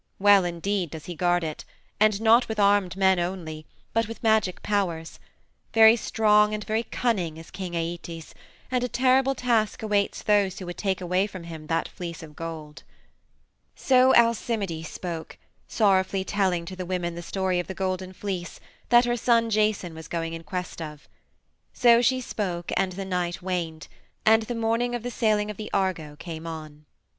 Well indeed does he guard it, and not with armed men only, but with magic powers. Very strong and very cunning is King Æetes, and a terrible task awaits those who would take away from him that Fleece of Gold." So Alcimide spoke, sorrowfully telling to the women the story of the Golden Fleece that her son Jason was going in quest of. So she spoke, and the night waned, and the morning of the sailing of the Argo came on.